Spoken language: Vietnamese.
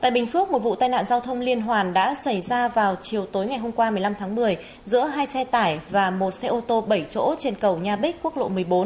tại bình phước một vụ tai nạn giao thông liên hoàn đã xảy ra vào chiều tối ngày hôm qua một mươi năm tháng một mươi giữa hai xe tải và một xe ô tô bảy chỗ trên cầu nha bích quốc lộ một mươi bốn